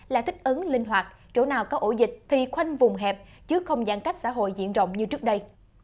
là thích ứng linh hoạt chỗ nào có ổ dịch thì khoanh vùng hẹp chứ không giãn cách xã hội diện rộng như trước đây